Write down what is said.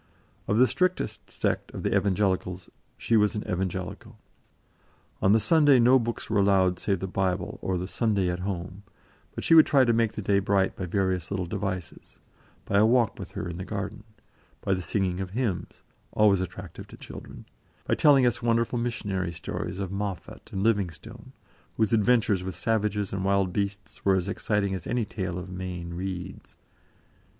Of the strictest sect of the Evangelicals, she was an Evangelical. On the Sunday no books were allowed save the Bible or the "Sunday at Home"; but she would try to make the day bright by various little devices; by a walk with her in the garden; by the singing of hymns, always attractive to children; by telling us wonderful missionary stories of Moffat and Livingstone, whose adventures with savages and wild beasts were as exciting as any tale of Mayne Reid's.